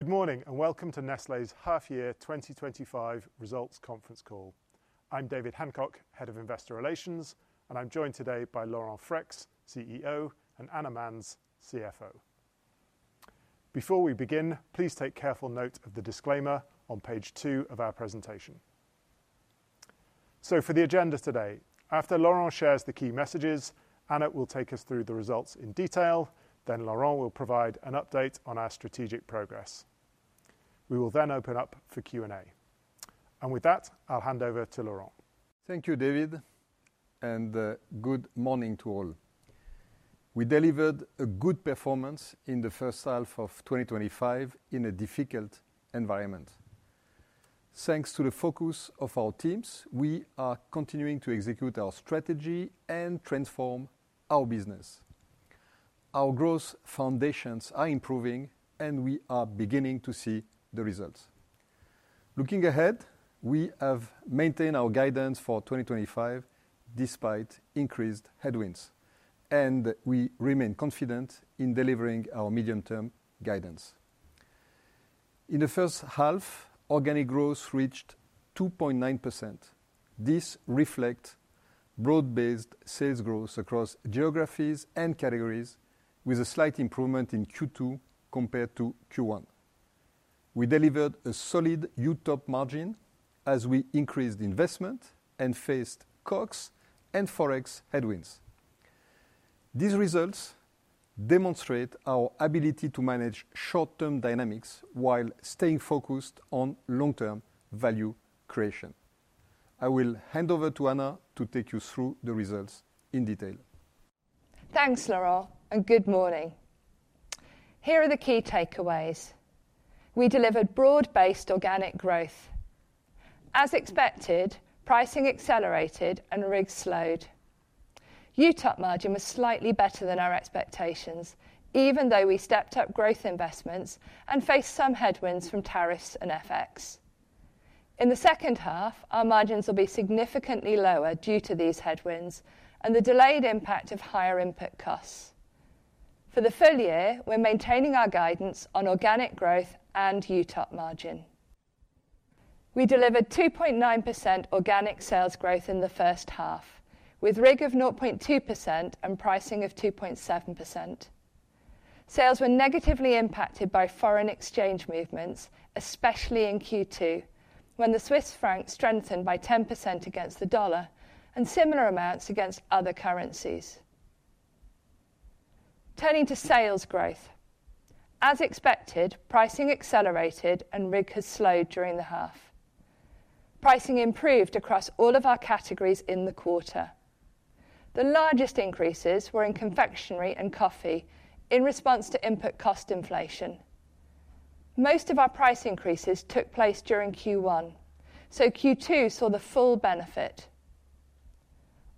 Good morning and welcome to Nestlé's half-year 2025 results conference call. I'm David Hancock, Head of Investor Relations, and I'm joined today by Laurent Freixe, CEO, and Anna Manz, CFO. Before we begin, please take careful note of the disclaimer on page two of our presentation. For the agenda today, after Laurent shares the key messages, Anna will take us through the results in detail, then Laurent will provide an update on our strategic progress. We will then open up for Q&A. With that, I'll hand over to Laurent. Thank you, David, and good morning to all. We delivered a good performance in the first half of 2025 in a difficult environment. Thanks to the focus of our teams, we are continuing to execute our strategy and transform our business. Our growth foundations are improving, and we are beginning to see the results. Looking ahead, we have maintained our guidance for 2025 despite increased headwinds, and we remain confident in delivering our medium-term guidance. In the first half, organic growth reached 2.9%. This reflects broad-based sales growth across geographies and categories, with a slight improvement in Q2 compared to Q1. We delivered a solid U-top margin as we increased investment and faced COGS and forex headwinds. These results demonstrate our ability to manage short-term dynamics while staying focused on long-term value creation. I will hand over to Anna to take you through the results in detail. Thanks, Laurent, and good morning. Here are the key takeaways. We delivered broad-based organic growth. As expected, pricing accelerated and RIG slowed. U-top margin was slightly better than our expectations, even though we stepped up growth investments and faced some headwinds from tariffs and FX. In the second half, our margins will be significantly lower due to these headwinds and the delayed impact of higher input costs. For the full year, we're maintaining our guidance on organic growth and U-top margin. We delivered 2.9% organic sales growth in the first half, with RIG of 0.2% and pricing of 2.7%. Sales were negatively impacted by foreign exchange movements, especially in Q2, when the Swiss franc strengthened by 10% against the dollar and similar amounts against other currencies. Turning to sales growth, as expected, pricing accelerated and RIG has slowed during the half. Pricing improved across all of our categories in the quarter. The largest increases were in confectionery and coffee in response to input cost inflation. Most of our price increases took place during Q1, so Q2 saw the full benefit.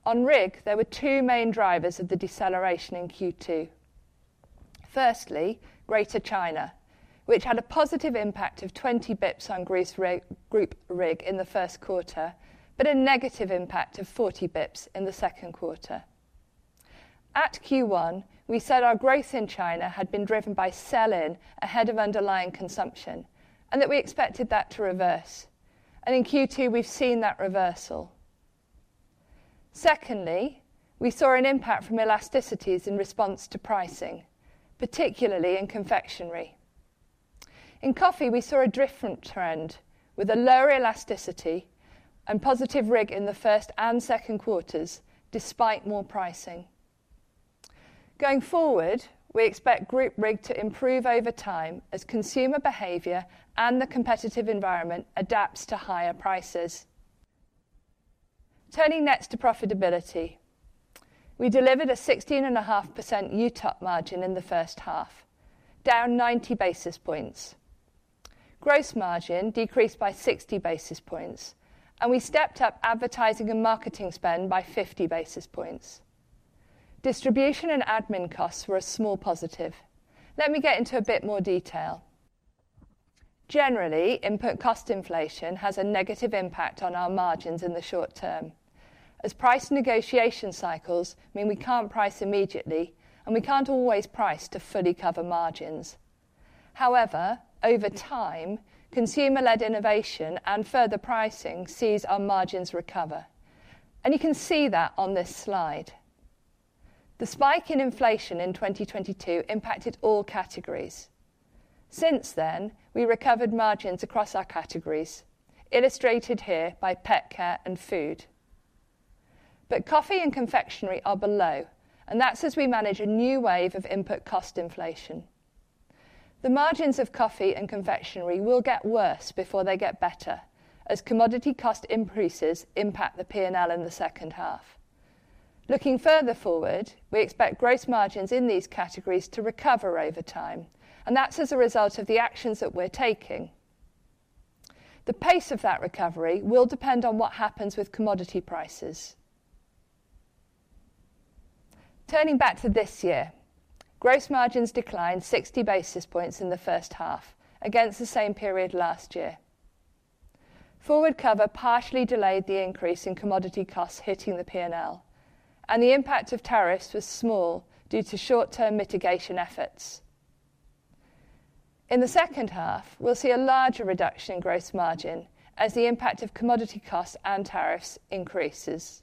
On RIG, there were two main drivers of the deceleration in Q2. Firstly, Greater China, which had a positive impact of 20 bps on Group RIG in the first quarter, but a negative impact of 40 bps in the second quarter. At Q1, we said our growth in China had been driven by sell-in ahead of underlying consumption and that we expected that to reverse. In Q2, we've seen that reversal. Secondly, we saw an impact from elasticities in response to pricing, particularly in confectionery. In coffee, we saw a different trend with a lower elasticity and positive RIG in the first and second quarters despite more pricing. Going forward, we expect Group RIG to improve over time as consumer behavior and the competitive environment adapts to higher prices. Turning next to profitability, we delivered a 16.5% U-top margin in the first half, down 90 bps. Gross margin decreased by 60 bps, and we stepped up advertising and marketing spend by 50 bps. Distribution and admin costs were a small positive. Let me get into a bit more detail. Generally, input cost inflation has a negative impact on our margins in the short term, as price negotiation cycles mean we can't price immediately, and we can't always price to fully cover margins. However, over time, consumer-led innovation and further pricing sees our margins recover. You can see that on this slide. The spike in inflation in 2022 impacted all categories. Since then, we recovered margins across our categories, illustrated here by pet care and food. Coffee and confectionery are below, and that is as we manage a new wave of input cost inflation. The margins of coffee and confectionery will get worse before they get better, as commodity cost increases impact the P&L in the second half. Looking further forward, we expect gross margins in these categories to recover over time, and that is as a result of the actions that we are taking. The pace of that recovery will depend on what happens with commodity prices. Turning back to this year, gross margins declined 60 bps in the first half against the same period last year. Forward cover partially delayed the increase in commodity costs hitting the P&L, and the impact of tariffs was small due to short-term mitigation efforts. In the second half, we'll see a larger reduction in gross margin as the impact of commodity costs and tariffs increases.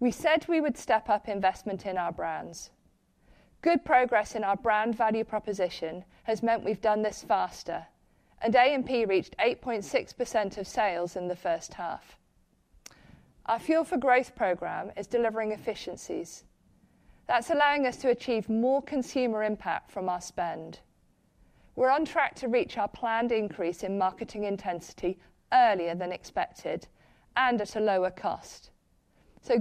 We said we would step up investment in our brands. Good progress in our brand value proposition has meant we've done this faster, and A&P reached 8.6% of sales in the first half. Our fuel for growth program is delivering efficiencies. That's allowing us to achieve more consumer impact from our spend. We're on track to reach our planned increase in marketing intensity earlier than expected and at a lower cost.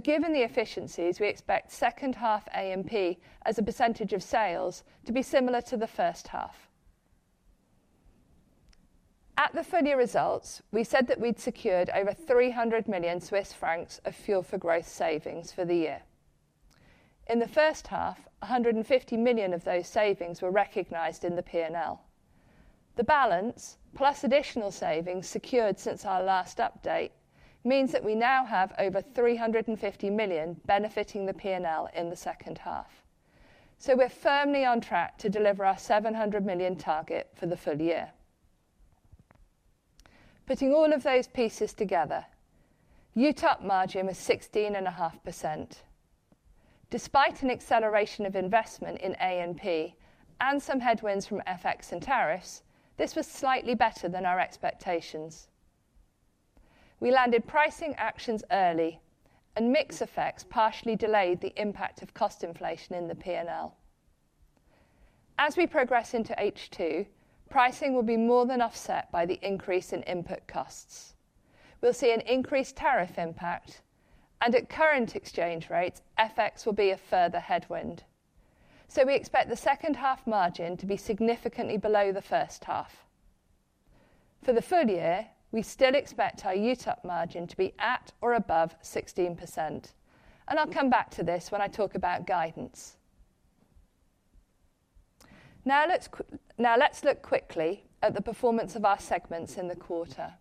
Given the efficiencies, we expect second half A&P as a percentage of sales to be similar to the first half. At the full year results, we said that we'd secured over 300 million Swiss francs of fuel for growth savings for the year. In the first half, 150 million of those savings were recognized in the P&L. The balance, plus additional savings secured since our last update, means that we now have over 350 million benefiting the P&L in the second half. We are firmly on track to deliver our 700 million target for the full year. Putting all of those pieces together, U-top margin was 16.5%. Despite an acceleration of investment in A&P and some headwinds from FX and tariffs, this was slightly better than our expectations. We landed pricing actions early, and mix effects partially delayed the impact of cost inflation in the P&L. As we progress into H2, pricing will be more than offset by the increase in input costs. We will see an increased tariff impact, and at current exchange rates, FX will be a further headwind. We expect the second half margin to be significantly below the first half. For the full year, we still expect our U-top margin to be at or above 16%. I will come back to this when I talk about guidance. Now let's look quickly at the performance of our segments in the quarter.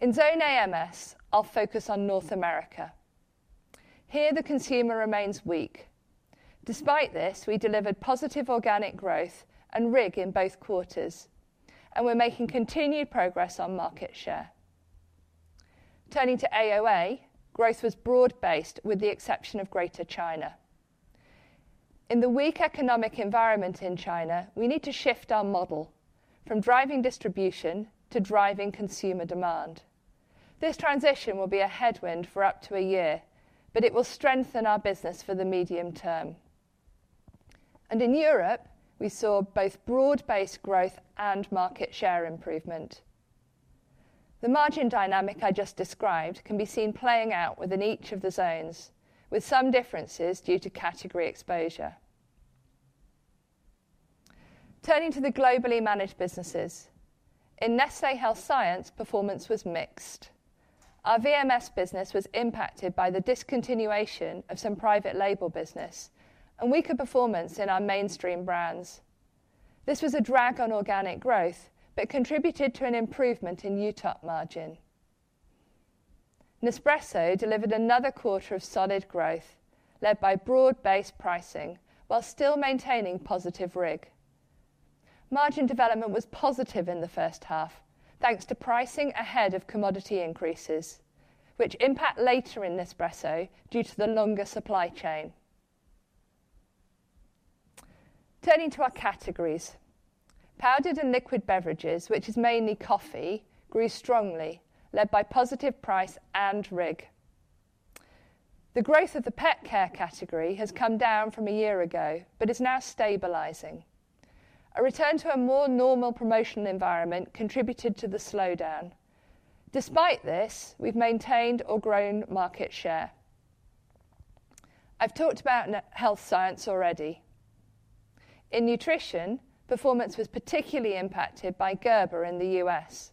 In Zone AMS, I will focus on North America. Here, the consumer remains weak. Despite this, we delivered positive organic growth and RIG in both quarters, and we are making continued progress on market share. Turning to AOA, growth was broad-based with the exception of Greater China. In the weak economic environment in China, we need to shift our model from driving distribution to driving consumer demand. This transition will be a headwind for up to a year, but it will strengthen our business for the medium term. In Europe, we saw both broad-based growth and market share improvement. The margin dynamic I just described can be seen playing out within each of the zones, with some differences due to category exposure. Turning to the globally managed businesses, in Nestlé Health Science, performance was mixed. Our VMS business was impacted by the discontinuation of some private label business and weaker performance in our mainstream brands. This was a drag on organic growth but contributed to an improvement in U-top margin. Nespresso delivered another quarter of solid growth, led by broad-based pricing while still maintaining positive RIG. Margin development was positive in the first half, thanks to pricing ahead of commodity increases, which impact later in Nespresso due to the longer supply chain. Turning to our categories, powdered and liquid beverages, which is mainly coffee, grew strongly, led by positive price and RIG. The growth of the pet care category has come down from a year ago but is now stabilizing. A return to a more normal promotional environment contributed to the slowdown. Despite this, we've maintained or grown market share. I've talked about health science already. In nutrition, performance was particularly impacted by Gerber in the U.S.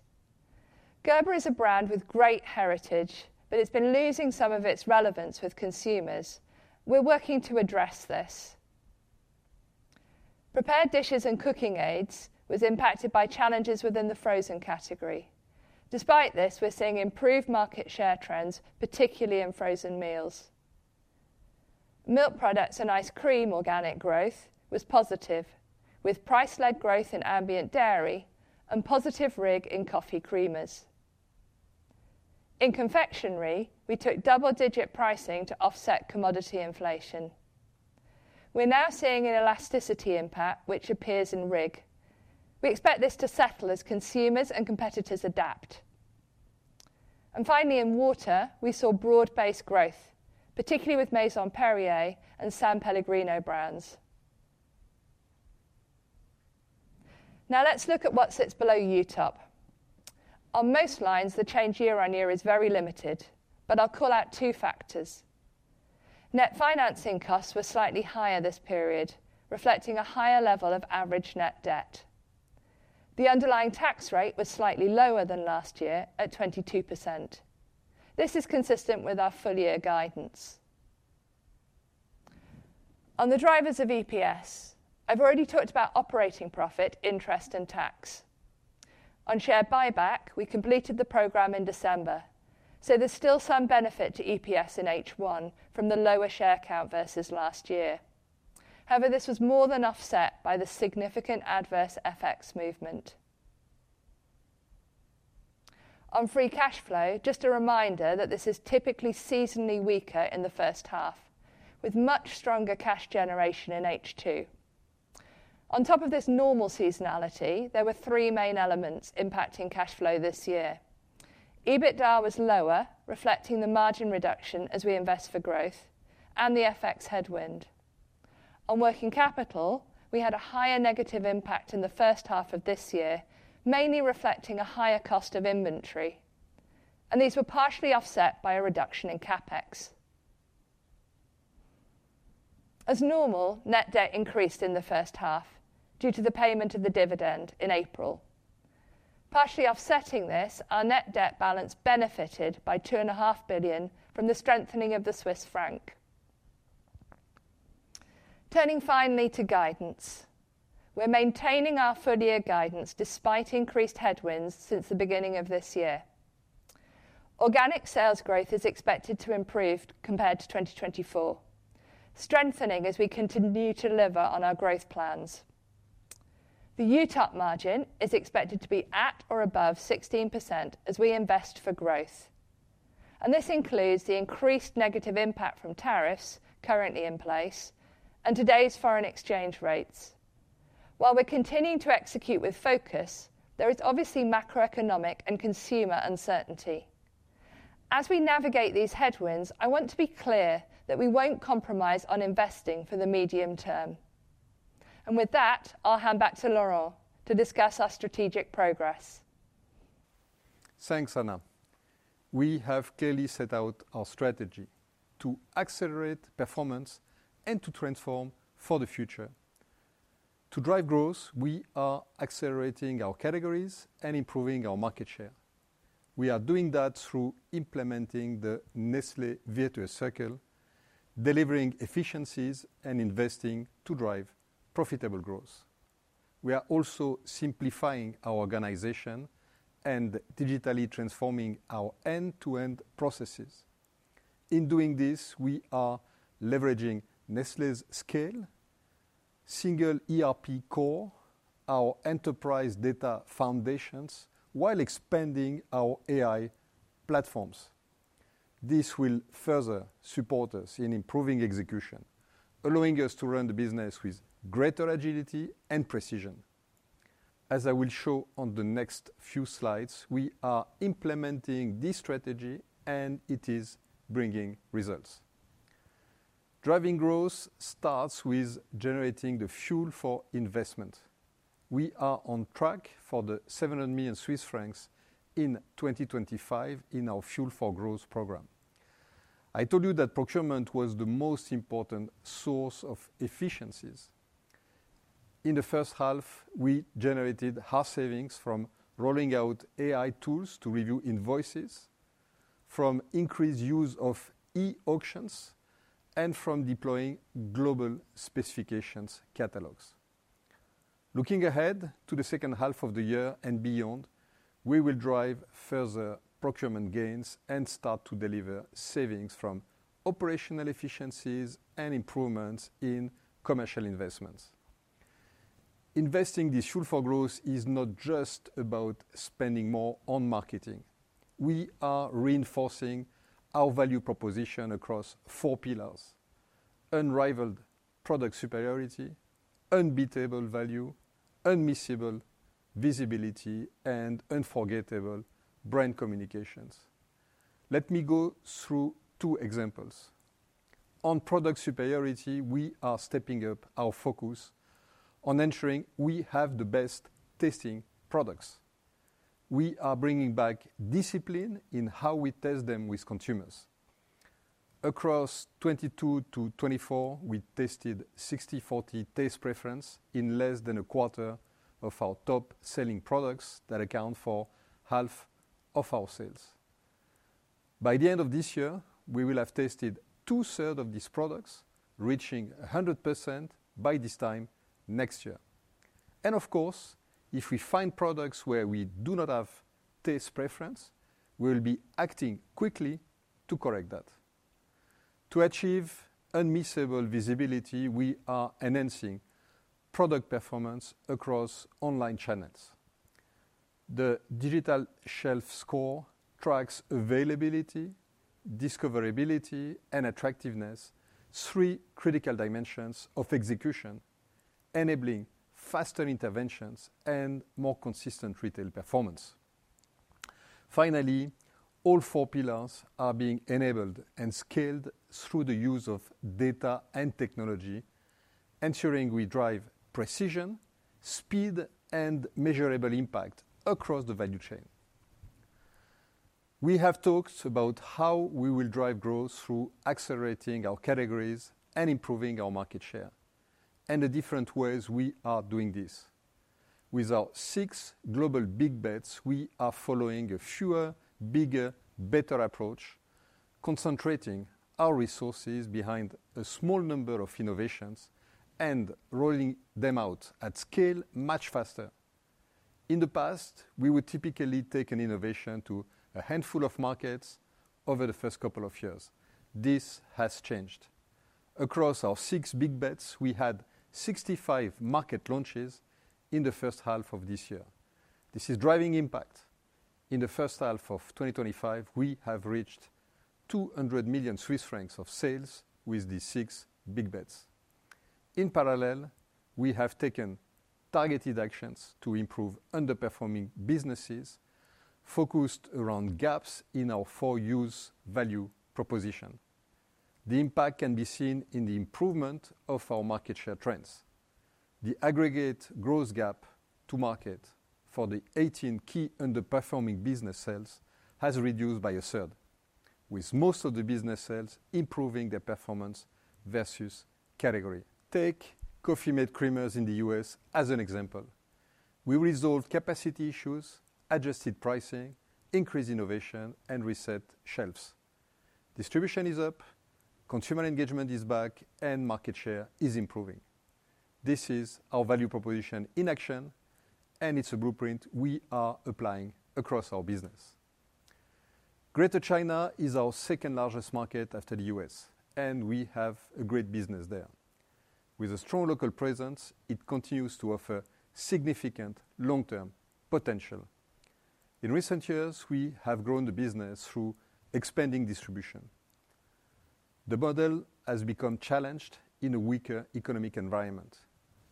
Gerber is a brand with great heritage, but it's been losing some of its relevance with consumers. We're working to address this. Prepared dishes and cooking aids was impacted by challenges within the frozen category. Despite this, we're seeing improved market share trends, particularly in frozen meals. Milk products and ice cream organic growth was positive, with price-led growth in ambient dairy and positive RIG in coffee creamers. In confectionery, we took double-digit pricing to offset commodity inflation. We're now seeing an elasticity impact, which appears in RIG. We expect this to settle as consumers and competitors adapt. Finally, in water, we saw broad-based growth, particularly with Maison Perrier and San Pellegrino brands. Now let's look at what sits below U-top. On most lines, the change year on year is very limited, but I'll call out two factors. Net financing costs were slightly higher this period, reflecting a higher level of average net debt. The underlying tax rate was slightly lower than last year at 22%. This is consistent with our full year guidance. On the drivers of EPS, I've already talked about operating profit, interest, and tax. On share buyback, we completed the program in December, so there's still some benefit to EPS in H1 from the lower share count versus last year. However, this was more than offset by the significant adverse FX movement. On free cash flow, just a reminder that this is typically seasonally weaker in the first half, with much stronger cash generation in H2. On top of this normal seasonality, there were three main elements impacting cash flow this year. EBITDA was lower, reflecting the margin reduction as we invest for growth and the FX headwind. On working capital, we had a higher negative impact in the first half of this year, mainly reflecting a higher cost of inventory. These were partially offset by a reduction in CapEx. As normal, net debt increased in the first half due to the payment of the dividend in April. Partially offsetting this, our net debt balance benefited by 2.5 billion from the strengthening of the Swiss franc. Turning finally to guidance, we're maintaining our full year guidance despite increased headwinds since the beginning of this year. Organic sales growth is expected to improve compared to 2024, strengthening as we continue to deliver on our growth plans. The U-top margin is expected to be at or above 16% as we invest for growth. This includes the increased negative impact from tariffs currently in place and today's foreign exchange rates. While we are continuing to execute with focus, there is obviously macroeconomic and consumer uncertainty. As we navigate these headwinds, I want to be clear that we will not compromise on investing for the medium term. With that, I will hand back to Laurent to discuss our strategic progress. Thanks, Anna. We have clearly set out our strategy to accelerate performance and to transform for the future. To drive growth, we are accelerating our categories and improving our market share. We are doing that through implementing the Nestlé Virtuous Circle, delivering efficiencies and investing to drive profitable growth. We are also simplifying our organization and digitally transforming our end-to-end processes. In doing this, we are leveraging Nestlé's scale, single ERP core, our enterprise data foundations, while expanding our AI platforms. This will further support us in improving execution, allowing us to run the business with greater agility and precision. As I will show on the next few slides, we are implementing this strategy, and it is bringing results. Driving growth starts with generating the fuel for investment. We are on track for the 700 million Swiss francs in 2025 in our fuel for growth program. I told you that procurement was the most important source of efficiencies. In the first half, we generated hard savings from rolling out AI tools to review invoices, from increased use of e-auctions, and from deploying global specifications catalogs. Looking ahead to the second half of the year and beyond, we will drive further procurement gains and start to deliver savings from operational efficiencies and improvements in commercial investments. Investing this fuel for growth is not just about spending more on marketing. We are reinforcing our value proposition across four pillars: unrivaled product superiority, unbeatable value, unmissable visibility, and unforgettable brand communications. Let me go through two examples. On product superiority, we are stepping up our focus on ensuring we have the best testing products. We are bringing back discipline in how we test them with consumers. Across 2022 to 2024, we tested 60/40 taste preference in less than a quarter of our top-selling products that account for half of our sales. By the end of this year, we will have tested 2/3 of these products, reaching 100% by this time next year. If we find products where we do not have taste preference, we will be acting quickly to correct that. To achieve unmissable visibility, we are enhancing product performance across online channels. The digital shelf score tracks availability, discoverability, and attractiveness, three critical dimensions of execution, enabling faster interventions and more consistent retail performance. Finally, all four pillars are being enabled and scaled through the use of data and technology, ensuring we drive precision, speed, and measurable impact across the value chain. We have talked about how we will drive growth through accelerating our categories and improving our market share, and the different ways we are doing this. With our six global big bets, we are following a fewer, bigger, better approach, concentrating our resources behind a small number of innovations and rolling them out at scale much faster. In the past, we would typically take an innovation to a handful of markets over the first couple of years. This has changed. Across our six big bets, we had 65 market launches in the first half of this year. This is driving impact. In the first half of 2025, we have reached 200 million Swiss francs of sales with these six big bets. In parallel, we have taken targeted actions to improve underperforming businesses focused around gaps in our four-use value proposition. The impact can be seen in the improvement of our market share trends. The aggregate growth gap to market for the 18 key underperforming business sales has reduced by a 1/3 with most of the business sales improving their performance versus category. Take Coffee Mate creamers in the U.S. as an example. We resolved capacity issues, adjusted pricing, increased innovation, and reset shelves. Distribution is up, consumer engagement is back, and market share is improving. This is our value proposition in action, and it's a blueprint we are applying across our business. Greater China is our second largest market after the U.S., and we have a great business there. With a strong local presence, it continues to offer significant long-term potential. In recent years, we have grown the business through expanding distribution. The model has become challenged in a weaker economic environment.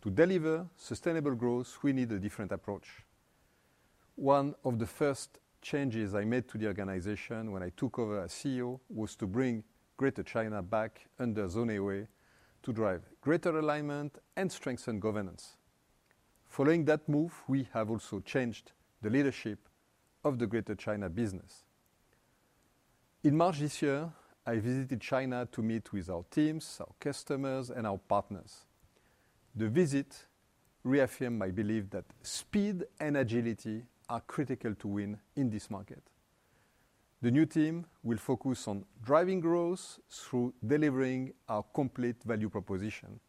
To deliver sustainable growth, we need a different approach. One of the first changes I made to the organization when I took over as CEO was to bring Greater China back under Zone AOA to drive greater alignment and strengthen governance. Following that move, we have also changed the leadership of the Greater China business. In March this year, I visited China to meet with our teams, our customers, and our partners. The visit reaffirmed my belief that speed and agility are critical to win in this market. The new team will focus on driving growth through delivering our complete value proposition.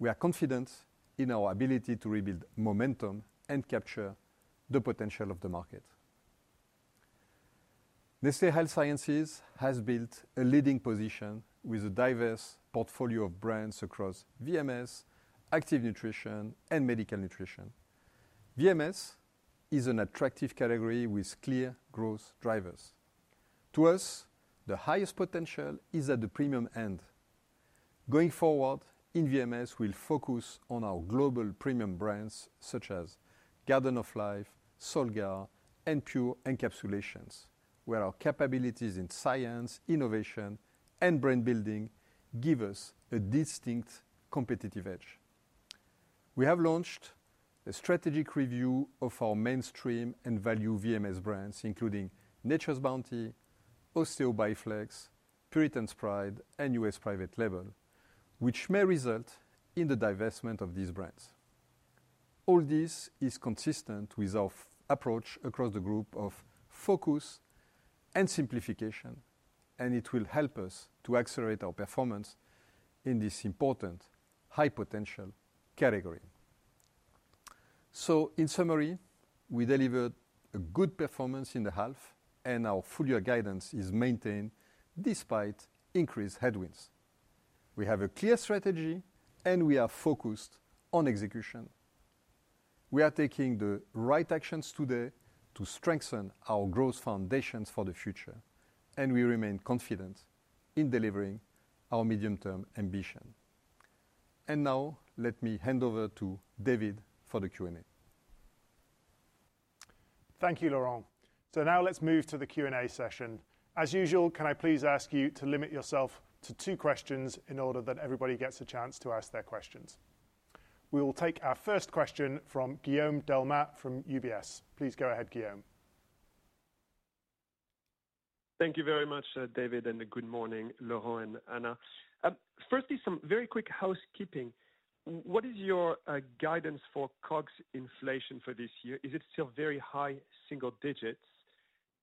We are confident in our ability to rebuild momentum and capture the potential of the market. Nestlé Health Sciences has built a leading position with a diverse portfolio of brands across VMS, active nutrition, and medical nutrition. VMS is an attractive category with clear growth drivers. To us, the highest potential is at the premium end. Going forward, in VMS, we'll focus on our global premium brands such as Garden of Life, Solgar, and Pure Encapsulations, where our capabilities in science, innovation, and brand building give us a distinct competitive edge. We have launched a strategic review of our mainstream and value VMS brands, including Nature's Bounty, Osteo Bi-Flex, Puritan's Pride, and US Private Label, which may result in the divestment of these brands. All this is consistent with our approach across the group of focus and simplification, and it will help us to accelerate our performance in this important high-potential category. In summary, we delivered a good performance in the half, and our full year guidance is maintained despite increased headwinds. We have a clear strategy, and we are focused on execution. We are taking the right actions today to strengthen our growth foundations for the future, and we remain confident in delivering our medium-term ambition. Now, let me hand over to David for the Q&A. Thank you, Laurent. Now let's move to the Q&A session. As usual, can I please ask you to limit yourself to two questions in order that everybody gets a chance to ask their questions? We will take our first question from Guillaume Delmas from UBS. Please go ahead, Guillaume. Thank you very much, David, and good morning, Laurent and Anna. Firstly, some very quick housekeeping. What is your guidance for COGS inflation for this year? Is it still very high single digits?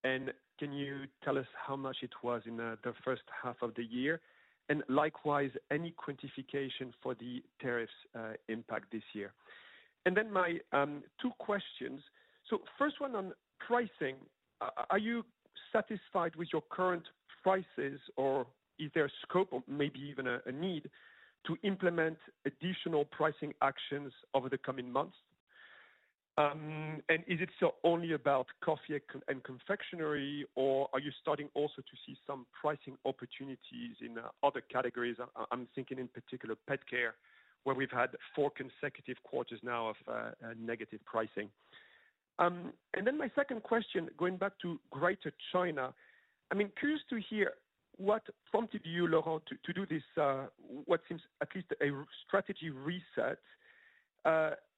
Can you tell us how much it was in the first half of the year? Likewise, any quantification for the tariffs impact this year? My two questions. First one on pricing. Are you satisfied with your current prices, or is there a scope, or maybe even a need to implement additional pricing actions over the coming months? Is it still only about coffee and confectionery, or are you starting also to see some pricing opportunities in other categories? I'm thinking in particular pet care, where we've had four consecutive quarters now of negative pricing. My second question, going back to Greater China. I mean, curious to hear what prompted you, Laurent, to do this, what seems at least a strategy reset.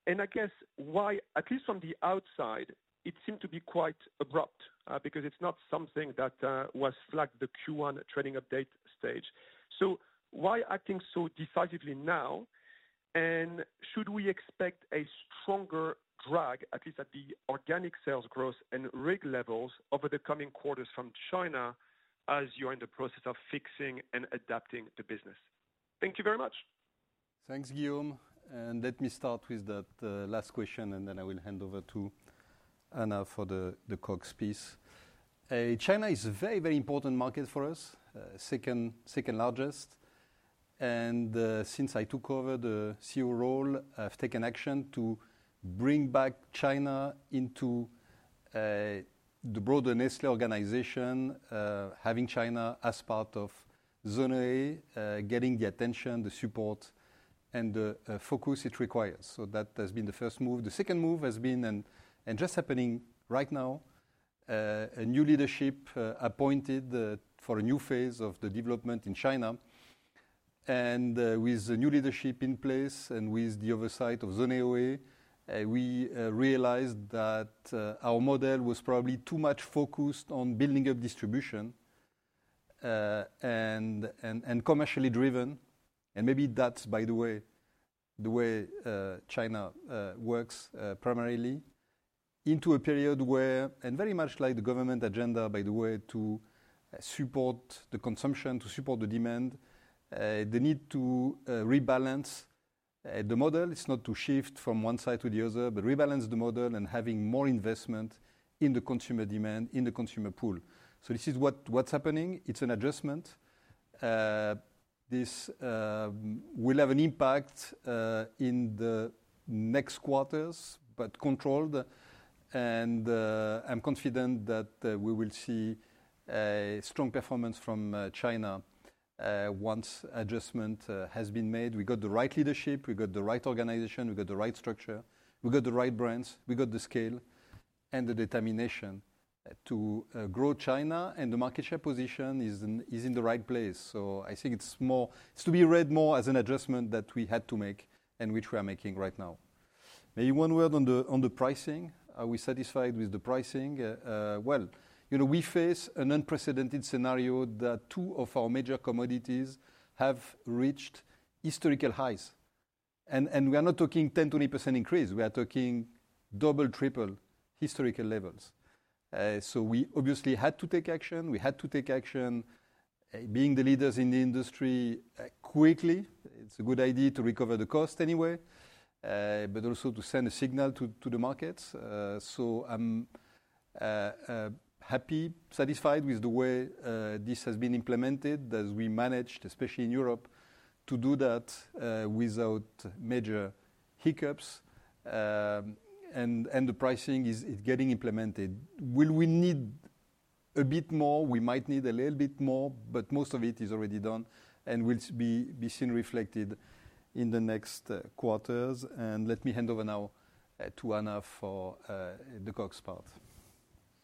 I guess why, at least from the outside, it seemed to be quite abrupt because it's not something that was flagged at the Q1 trading update stage. Why acting so decisively now? Should we expect a stronger drag, at least at the organic sales growth and RIG levels over the coming quarters from China as you're in the process of fixing and adapting the business? Thank you very much. Thanks, Guillaume. Let me start with that last question, and then I will hand over to Anna for the COGS piece. China is a very, very important market for us, second largest. Since I took over the CEO role, I have taken action to bring back China into the broader Nestlé organization, having China as part of Zone AOA, getting the attention, the support, and the focus it requires. That has been the first move. The second move has been, and just happening right now, a new leadership appointed for a new phase of the development in China. With the new leadership in place and with the oversight of Zone AOA, we realized that our model was probably too much focused on building up distribution and commercially driven. Maybe that is, by the way, the way China works primarily into a period where, and very much like the government agenda, by the way, to support the consumption, to support the demand, the need to rebalance the model. It is not to shift from one side to the other, but rebalance the model and having more investment in the consumer demand, in the consumer pool. This is what is happening. It is an adjustment. This will have an impact in the next quarters, but controlled. I am confident that we will see a strong performance from China once adjustment has been made. We got the right leadership, we got the right organization, we got the right structure, we got the right brands, we got the scale and the determination to grow China, and the market share position is in the right place. I think it's to be read more as an adjustment that we had to make and which we are making right now. Maybe one word on the pricing. Are we satisfied with the pricing? We face an unprecedented scenario that two of our major commodities have reached historical highs. We are not talking 10%-20% increase. We are talking double, triple historical levels. We obviously had to take action. We had to take action, being the leaders in the industry quickly. It's a good idea to recover the cost anyway, but also to send a signal to the markets. I'm happy, satisfied with the way this has been implemented, as we managed, especially in Europe, to do that without major hiccups. The pricing is getting implemented. Will we need a bit more? We might need a little bit more, but most of it is already done and will be seen reflected in the next quarters. Let me hand over now to Anna for the COGS part.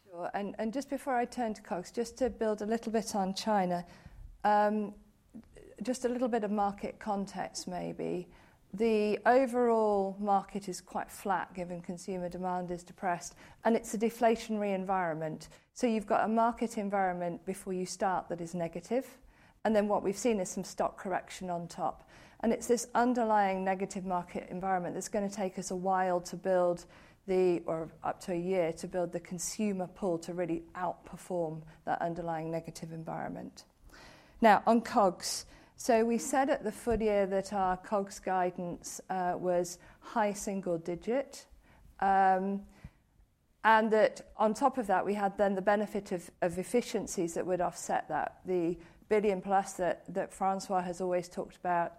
Sure. Just before I turn to COGS, just to build a little bit on China, just a little bit of market context maybe. The overall market is quite flat given consumer demand is depressed, and it is a deflationary environment. You have a market environment before you start that is negative. What we have seen is some stock correction on top. It is this underlying negative market environment that is going to take us a while to build the, or up to a year to build the consumer pool to really outperform that underlying negative environment. Now, on COGS. We said at the foot here that our COGS guidance was high single digit, and that on top of that, we had then the benefit of efficiencies that would offset that, the billion plus that François has always talked about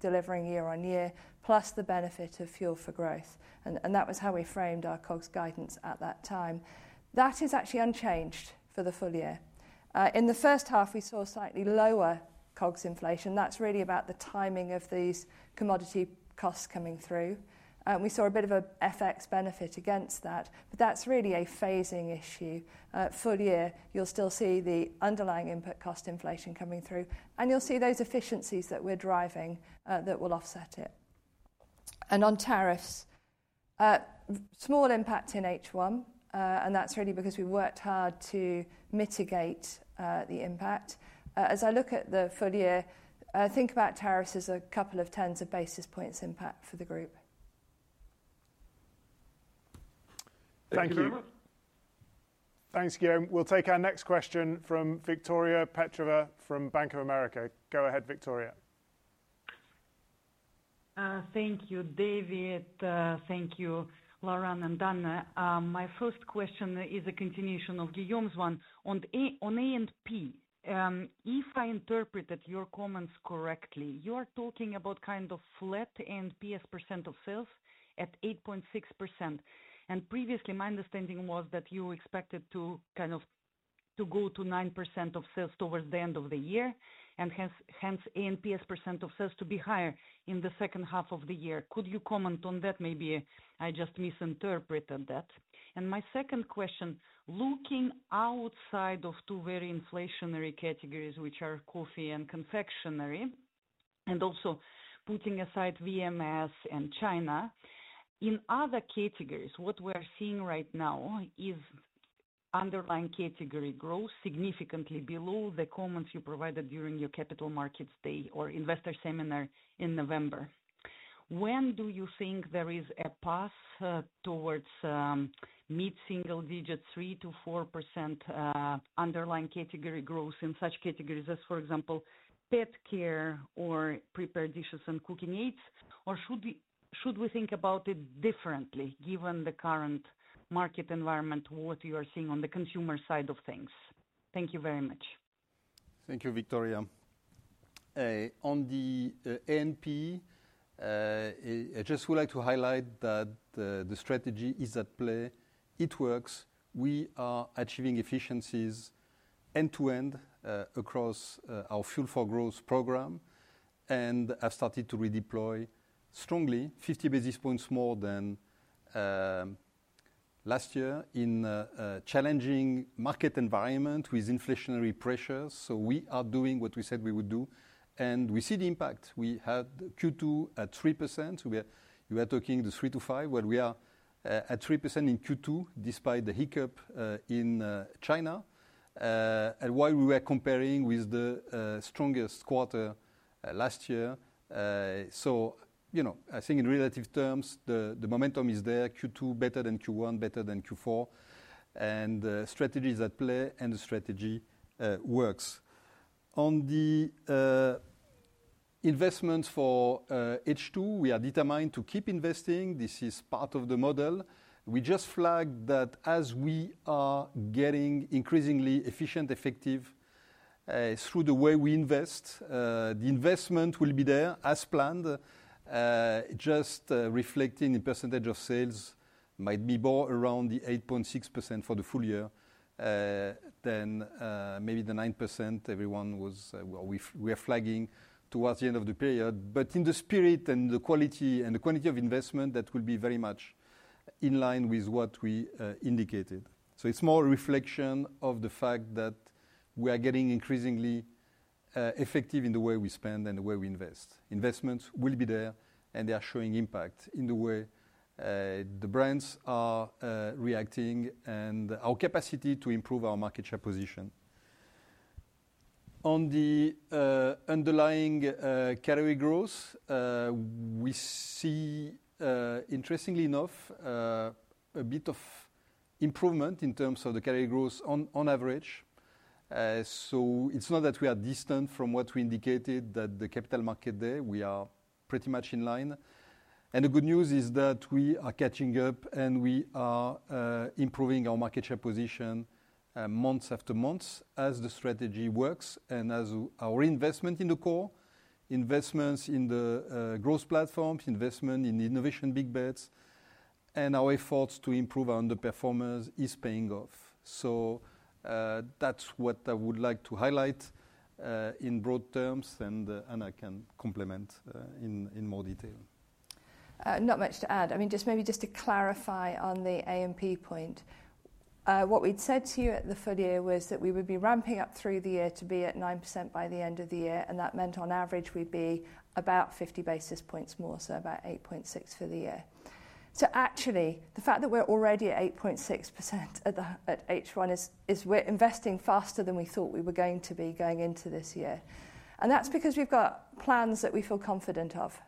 delivering year on year, plus the benefit of fuel for growth. That was how we framed our COGS guidance at that time. That is actually unchanged for the full year. In the first half, we saw slightly lower COGS inflation. That's really about the timing of these commodity costs coming through. We saw a bit of an FX benefit against that, but that's really a phasing issue. Full year, you'll still see the underlying input cost inflation coming through, and you'll see those efficiencies that we're driving that will offset it. On tariffs, small impact in H1, and that is really because we worked hard to mitigate the impact. As I look at the full year, I think about tariffs as a couple of tens of basis points impact for the group. Thank you very much. Thank you, Guillaume. We will take our next question from Victoria Petrova from Bank of America. Go ahead, Victoria. Thank you, David. Thank you, Laurent and Anna. My first question is a continuation of Guillaume's one on A&P. If I interpreted your comments correctly, you are talking about kind of flat A&P as percent of sales at 8.6%. And previously, my understanding was that you expected to kind of go to 9% of sales towards the end of the year, and hence A&P as percent of sales to be higher in the second half of the year. Could you comment on that? Maybe I just misinterpreted that. My second question, looking outside of two very inflationary categories, which are coffee and confectionery, and also putting aside VMS and China, in other categories, what we are seeing right now is underlying category growth significantly below the comments you provided during your capital markets day or investor seminar in November. When do you think there is a path towards mid-single digit 3%-4% underlying category growth in such categories as, for example, pet care or prepared dishes and cooking aids? Or should we think about it differently given the current market environment, what you are seeing on the consumer side of things? Thank you very much. Thank you, Victoria. On the A&P, I just would like to highlight that the strategy is at play. It works. We are achieving efficiencies end to end across our fuel for growth program and have started to redeploy strongly, 50 bps more than last year in a challenging market environment with inflationary pressures. We are doing what we said we would do. We see the impact. We had Q2 at 3%. We were talking the 3%-5%, but we are at 3% in Q2 despite the hiccup in China and while we were comparing with the strongest quarter last year. I think in relative terms, the momentum is there, Q2 better than Q1, better than Q4, and the strategy is at play and the strategy works. On the investments for H2, we are determined to keep investing. This is part of the model. We just flagged that as we are getting increasingly efficient, effective through the way we invest, the investment will be there as planned. Just reflecting in percentage of sales might be more around the 8.6% for the full year than maybe the 9% everyone was, we are flagging towards the end of the period. In the spirit and the quality and the quantity of investment, that will be very much in line with what we indicated. It is more reflection of the fact that we are getting increasingly effective in the way we spend and the way we invest. Investments will be there and they are showing impact in the way the brands are reacting and our capacity to improve our market share position. On the underlying category growth, we see, interestingly enough, a bit of improvement in terms of the category growth on average. It is not that we are distant from what we indicated to the capital market there, we are pretty much in line. The good news is that we are catching up and we are improving our market share position month after month as the strategy works and as our investment in the core, investments in the growth platforms, investment in innovation big bets, and our efforts to improve our underperformance is paying off. That is what I would like to highlight in broad terms and Anna can complement in more detail. Not much to add. I mean, just maybe just to clarify on the A&P point, what we said to you at the foot here was that we would be ramping up through the year to be at 9% by the end of the year. That meant on average we'd be about 50 bps more, so about 8.6% for the year. Actually, the fact that we're already at 8.6% at H1 is we're investing faster than we thought we were going to be going into this year. That's because we've got plans that we feel confident of.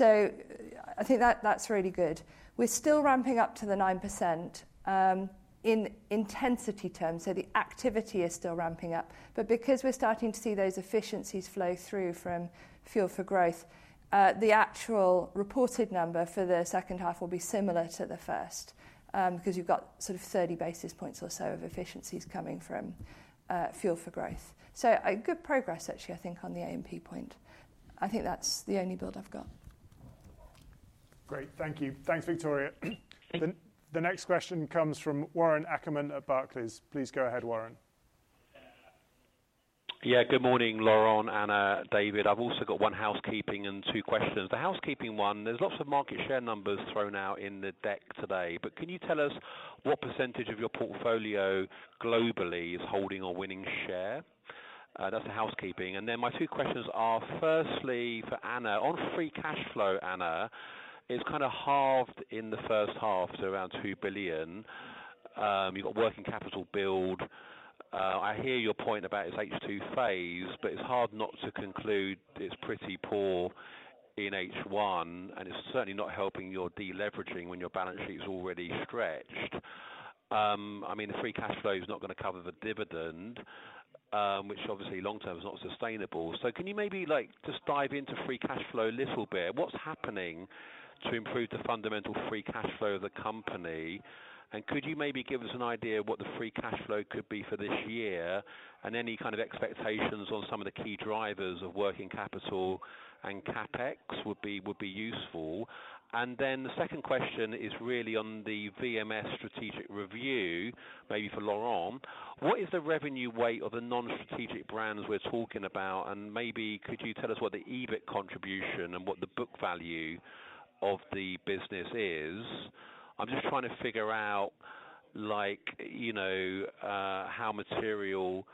I think that's really good. We're still ramping up to the 9% in intensity terms. The activity is still ramping up. Because we're starting to see those efficiencies flow through from fuel for growth, the actual reported number for the second half will be similar to the first because you've got sort of 30 bps or so of efficiencies coming from fuel for growth. Good progress actually, I think, on the A&P point. I think that's the only build I've got. Great. Thank you. Thanks, Victoria. The next question comes from Warren Ackerman at Barclays. Please go ahead, Warren. Yeah, good morning, Laurent, Anna, David. I've also got one housekeeping and two questions. The housekeeping one, there's lots of market share numbers thrown out in the deck today, but can you tell us what percentage of your portfolio globally is holding or winning share? That's the housekeeping. My two questions are firstly for Anna. On free cash flow, Anna, it's kind of halved in the first half to around 2 billion. You've got working capital build. I hear your point about its H2 phase, but it's hard not to conclude it's pretty poor in H1 and it's certainly not helping your deleveraging when your balance sheet is already stretched. I mean, the free cash flow is not going to cover the dividend, which obviously long term is not sustainable. Can you maybe just dive into free cash flow a little bit? What's happening to improve the fundamental free cash flow of the company? Could you maybe give us an idea of what the free cash flow could be for this year and any kind of expectations on some of the key drivers of working capital and CapEx would be useful? The second question is really on the VMS strategic review, maybe for Laurent. What is the revenue weight of the non-strategic brands we're talking about? Maybe could you tell us what the EBIT contribution and what the book value of the business is? I'm just trying to figure out how material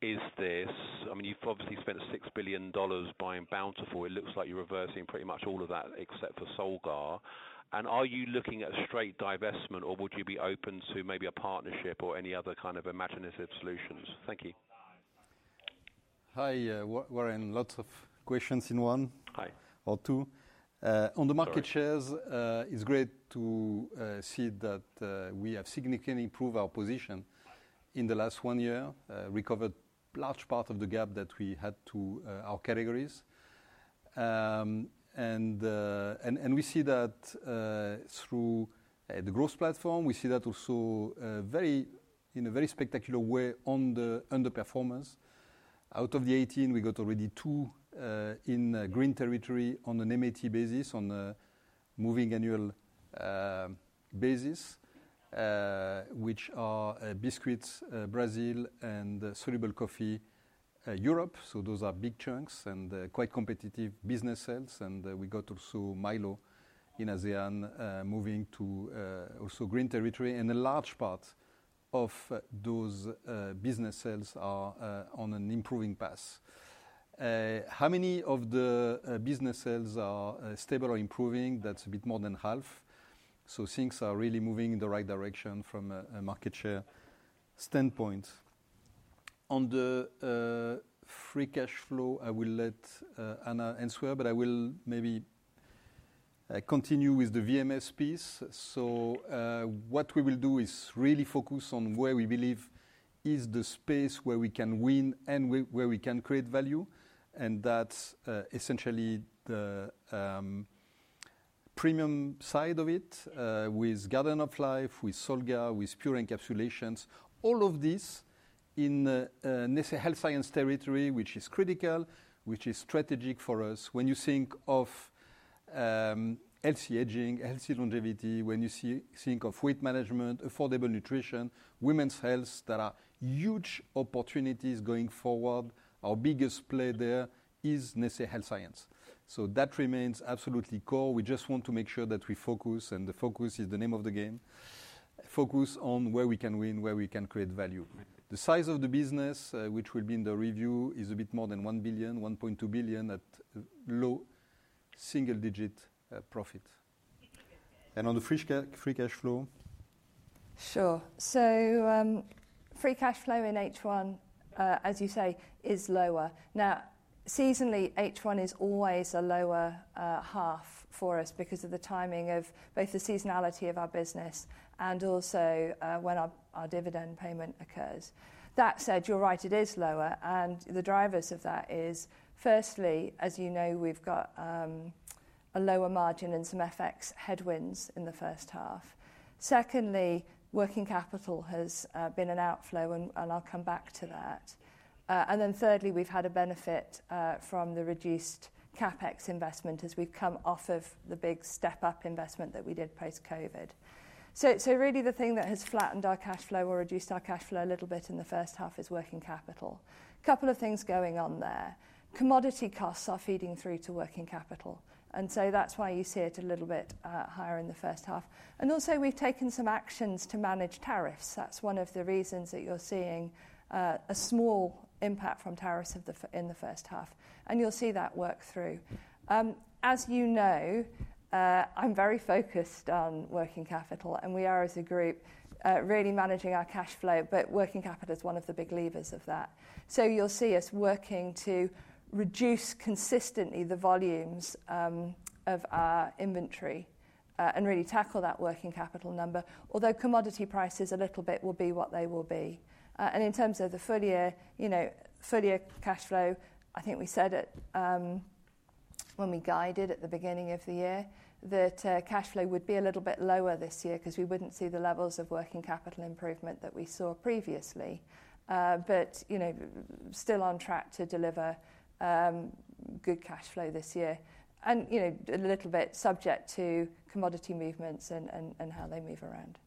is this. I mean, you've obviously spent $6 billion buying Bountiful. It looks like you're reversing pretty much all of that except for Solgar. Are you looking at straight divestment or would you be open to maybe a partnership or any other kind of imaginative solutions? Thank you. Hi, Warren. Lots of questions in one or two. On the market shares, it is great to see that we have significantly improved our position in the last one year, recovered a large part of the gap that we had to our categories. We see that through the growth platform, we see that also in a very spectacular way on the underperformance. Out of the 18, we have already two in green territory on a moving annual total basis, which are Biscuits, Brazil, and Soluble Coffee, Europe. Those are big chunks and quite competitive business sales. We have also Milo in ASEAN moving to green territory. A large part of those business sales are on an improving path. How many of the business sales are stable or improving? That is a bit more than half. Things are really moving in the right direction from a market share standpoint. On the free cash flow, I will let Anna answer, but I will maybe continue with the VMS piece. What we will do is really focus on where we believe is the space where we can win and where we can create value. That is essentially the premium side of it with Garden of Life, with Solgar, with Pure Encapsulations, all of this in health science territory, which is critical, which is strategic for us. When you think of healthy aging, healthy longevity, when you think of weight management, affordable nutrition, women's health, there are huge opportunities going forward. Our biggest play there is health science. That remains absolutely core. We just want to make sure that we focus, and the focus is the name of the game, focus on where we can win, where we can create value. The size of the business, which will be in the review, is a bit more than 1 billion, 1.2 billion at low single digit profit. On the free cash flow? Sure. Free cash flow in H1, as you say, is lower. Now, seasonally, H1 is always a lower half for us because of the timing of both the seasonality of our business and also when our dividend payment occurs. That said, you are right, it is lower. The drivers of that are, firstly, as you know, we have got a lower margin and some FX headwinds in the first half. Secondly, working capital has been an outflow, and I will come back to that. Thirdly, we've had a benefit from the reduced CapEx investment as we've come off of the big step-up investment that we did post-COVID. Really, the thing that has flattened our cash flow or reduced our cash flow a little bit in the first half is working capital. A couple of things going on there. Commodity costs are feeding through to working capital, and that's why you see it a little bit higher in the first half. Also, we've taken some actions to manage tariffs. That's one of the reasons that you're seeing a small impact from tariffs in the first half. You'll see that work through. As you know, I'm very focused on working capital, and we are as a group really managing our cash flow, but working capital is one of the big levers of that. You'll see us working to reduce consistently the volumes of our inventory and really tackle that working capital number, although commodity prices a little bit will be what they will be. In terms of the full year cash flow, I think we said it when we guided at the beginning of the year that cash flow would be a little bit lower this year because we would not see the levels of working capital improvement that we saw previously, but still on track to deliver good cash flow this year and a little bit subject to commodity movements and how they move around.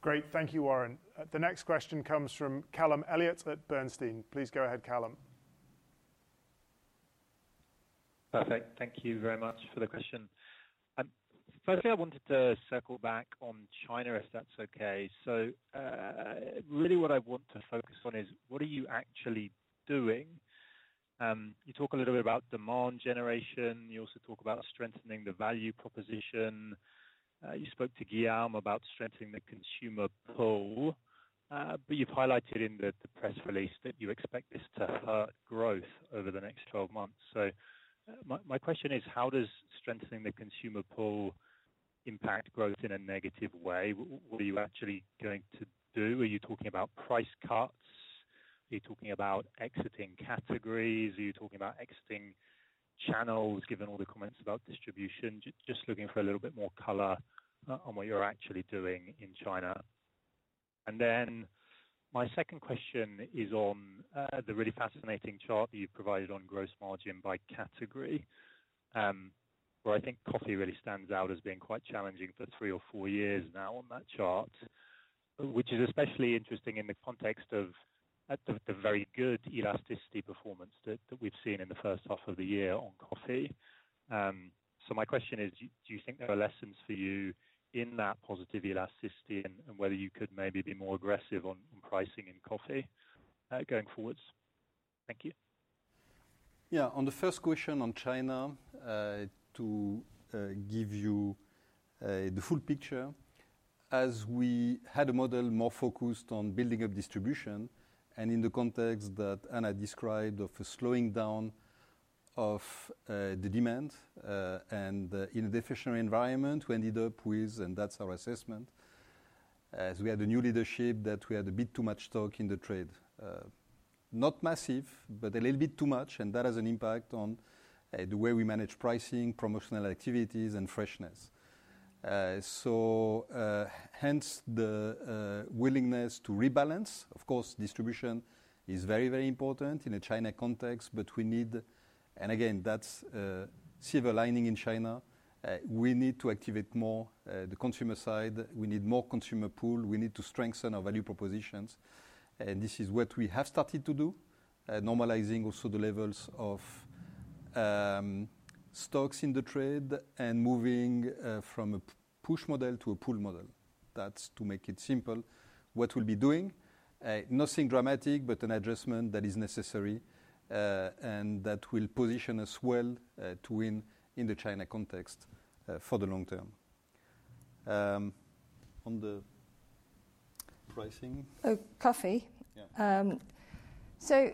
Great. Thank you, Warren. The next question comes from Callum Elliott at Bernstein. Please go ahead, Callum. Perfect. Thank you very much for the question. Firstly, I wanted to circle back on China, if that's okay. Really what I want to focus on is what are you actually doing? You talk a little bit about demand generation. You also talk about strengthening the value proposition. You spoke to Guillaume about strengthening the consumer pull, but you've highlighted in the press release that you expect this to hurt growth over the next 12 months. My question is, how does strengthening the consumer pull impact growth in a negative way? What are you actually going to do? Are you talking about price cuts? Are you talking about exiting categories? Are you talking about exiting channels given all the comments about distribution? Just looking for a little bit more color on what you're actually doing in China. Then my second question is on the really fascinating chart that you've provided on gross margin by category, where I think coffee really stands out as being quite challenging for three or four years now on that chart, which is especially interesting in the context of the very good elasticity performance that we've seen in the first half of the year on coffee. My question is, do you think there are lessons for you in that positive elasticity and whether you could maybe be more aggressive on pricing in coffee going forwards? Thank you. Yeah. On the first question on China, to give you the full picture, as we had a model more focused on building up distribution and in the context that Anna described of a slowing down of the demand. In a deficient environment, we ended up with, and that's our assessment, as we had a new leadership, that we had a bit too much stock in the trade. Not massive, but a little bit too much. That has an impact on the way we manage pricing, promotional activities, and freshness. Hence the willingness to rebalance. Of course, distribution is very, very important in a China context, but we need, and again, that's silver lining in China, we need to activate more the consumer side. We need more consumer pull. We need to strengthen our value propositions. This is what we have started to do, normalizing also the levels of stocks in the trade and moving from a push model to a pull model. That is, to make it simple, what we will be doing. Nothing dramatic, but an adjustment that is necessary and that will position us well to win in the China context for the long term. On the pricing? Coffee. We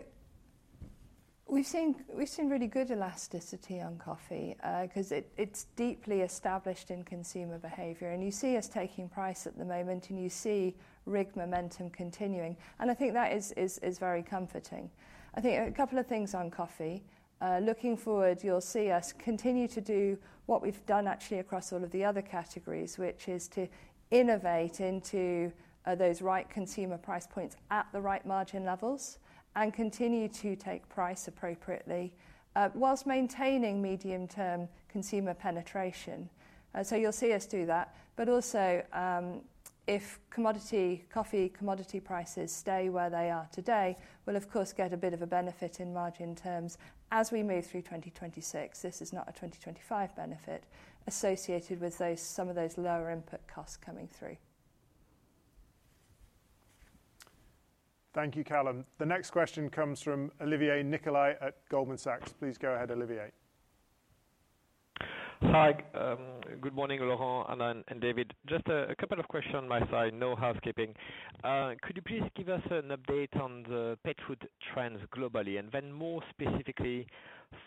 have seen really good elasticity on coffee because it is deeply established in consumer behavior. You see us taking price at the moment, and you see RIG momentum continuing. I think that is very comforting. I think a couple of things on coffee. Looking forward, you will see us continue to do what we have done actually across all of the other categories, which is to innovate into those right consumer price points at the right margin levels and continue to take price appropriately whilst maintaining medium-term consumer penetration. You will see us do that. Also, if coffee commodity prices stay where they are today, we'll, of course, get a bit of a benefit in margin terms as we move through 2026. This is not a 2025 benefit associated with some of those lower input costs coming through. Thank you, Callum. The next question comes from Olivier Nicolai at Goldman Sachs. Please go ahead, Olivier. Hi. Good morning, Laurent, Anna, and David. Just a couple of questions on my side, no housekeeping. Could you please give us an update on the pet food trends globally and then more specifically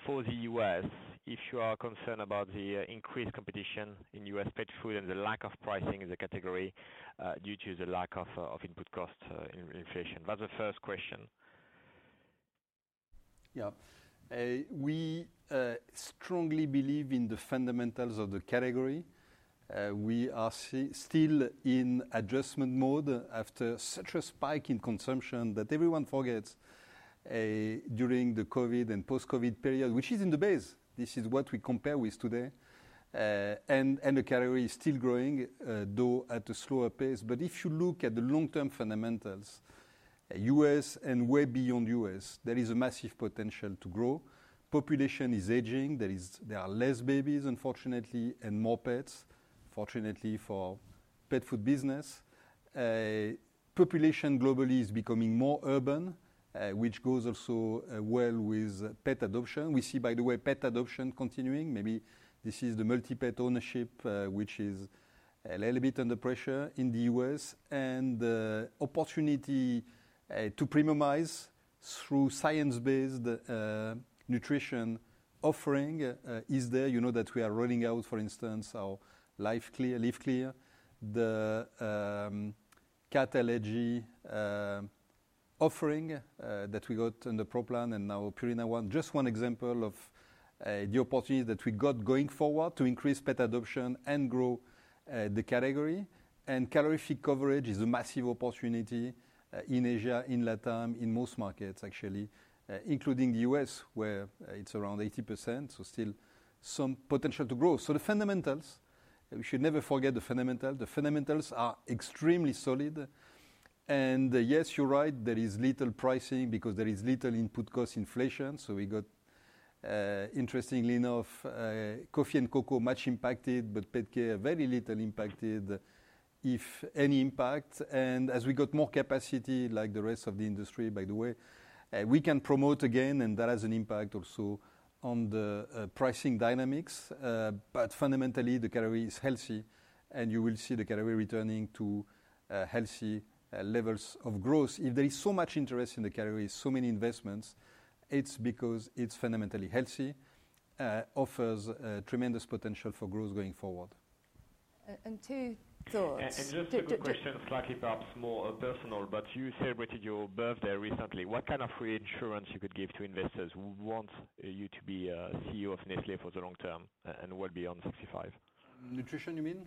for the U.S. if you are concerned about the increased competition in U.S. pet food and the lack of pricing in the category due to the lack of input cost inflation? That's the first question. Yeah. We strongly believe in the fundamentals of the category. We are still in adjustment mode after such a spike in consumption that everyone forgets during the COVID and post-COVID period, which is in the base. This is what we compare with today. The category is still growing, though at a slower pace. If you look at the long-term fundamentals, U.S. and way beyond U.S., there is a massive potential to grow. Population is aging. There are less babies, unfortunately, and more pets, fortunately for pet food business. Population globally is becoming more urban, which goes also well with pet adoption. We see, by the way, pet adoption continuing. Maybe this is the multi-pet ownership, which is a little bit under pressure in the U.S. The opportunity to premiumize through science-based nutrition offering is there. You know that we are rolling out, for instance, our LiveClear. The cat allergy offering that we got in the Pro Plan and now Purina One, just one example of the opportunity that we got going forward to increase pet adoption and grow the category. Calorific coverage is a massive opportunity in Asia, in LatAm, in most markets, actually, including the U.S., where it's around 80%. Still some potential to grow. The fundamentals, we should never forget the fundamentals. The fundamentals are extremely solid. Yes, you're right, there is little pricing because there is little input cost inflation. We got, interestingly enough, coffee and cocoa much impacted, but pet care very little impacted, if any impact. As we got more capacity, like the rest of the industry, by the way, we can promote again, and that has an impact also on the pricing dynamics. Fundamentally, the category is healthy, and you will see the category returning to healthy levels of growth. If there is so much interest in the category, so many investments, it's because it's fundamentally healthy, offers tremendous potential for growth going forward. Two thoughts. Just two questions, slightly perhaps more personal, but you celebrated your birthday recently. What kind of free insurance could you give to investors who want you to be CEO of Nestlé for the long term and well beyond 65? Nutrition, you mean?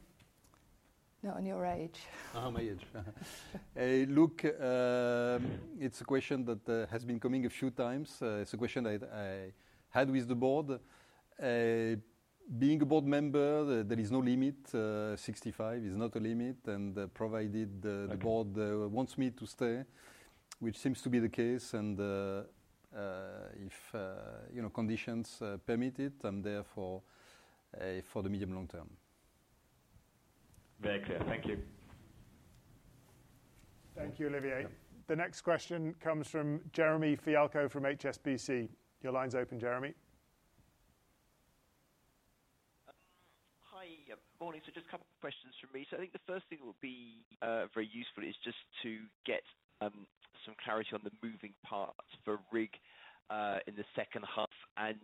No, on your age. On my age. Look, it's a question that has been coming a few times. It's a question I had with the board. Being a board member, there is no limit. 65 is not a limit, and provided the board wants me to stay, which seems to be the case, and if conditions permit it, I'm there for the medium long term. Very clear. Thank you. Thank you, Olivier. The next question comes from Jeremy Fialko from HSBC. Your line's open, Jeremy. Hi. Good morning. Just a couple of questions from me. I think the first thing that would be very useful is just to get some clarity on the moving parts for RIG in the second half and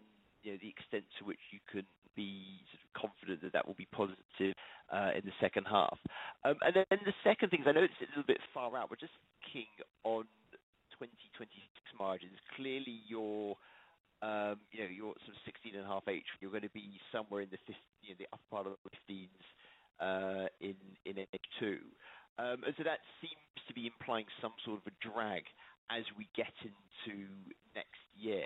the extent to which you can be confident that that will be positive in the second half. The second thing is, I know it's a little bit far out, but just looking on 2026 margins, clearly your sort of 16.5%, you're going to be somewhere in the upper part of the 15% in H2. That seems to be implying some sort of a drag as we get into next year.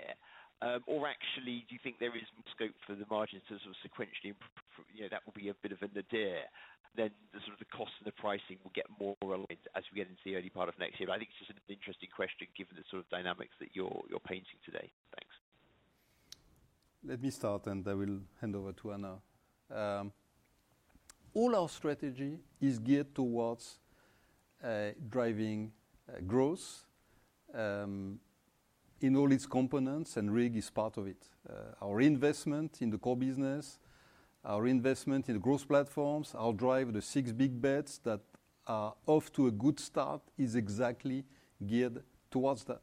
Actually, do you think there is scope for the margins to sort of sequentially improve? That will be a bit of a nadir. The cost and the pricing will get more aligned as we get into the early part of next year. I think it's just an interesting question given the sort of dynamics that you're painting today. Thanks. Let me start, and I will hand over to Anna. All our strategy is geared towards driving growth in all its components, and RIG is part of it. Our investment in the core business, our investment in the growth platforms, our drive of the six big bets that are off to a good start is exactly geared towards that.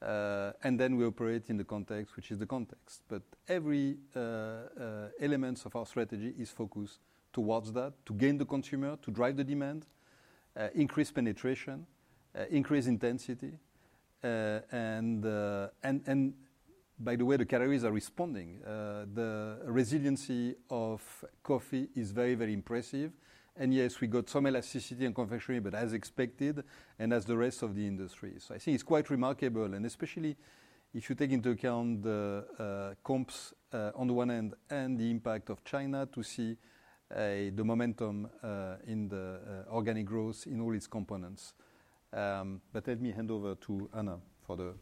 We operate in the context, which is the context. Every element of our strategy is focused towards that to gain the consumer, to drive the demand, increase penetration, increase intensity. By the way, the categories are responding. The resiliency of coffee is very, very impressive. Yes, we got some elasticity in confectionery, but as expected and as the rest of the industry. I think it is quite remarkable, especially if you take into account the comps on the one end and the impact of China to see the momentum in the organic growth in all its components. Let me hand over to Anna for the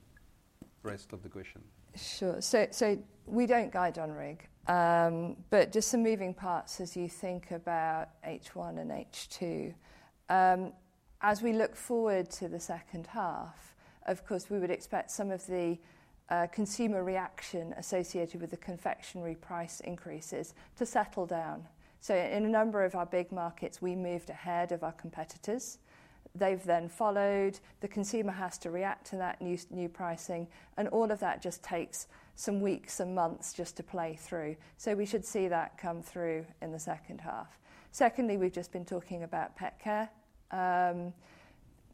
rest of the question. Sure. We do not guide on RIG, but just some moving parts as you think about H1 and H2. As we look forward to the second half, of course, we would expect some of the consumer reaction associated with the confectionery price increases to settle down. In a number of our big markets, we moved ahead of our competitors. They have then followed. The consumer has to react to that new pricing, and all of that just takes some weeks and months to play through. We should see that come through in the second half. Secondly, we have just been talking about pet care.